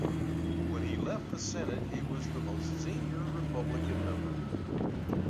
When he left the Senate, he was its most senior Republican member.